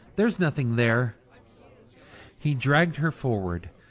There's nothing there." He dragged her forward.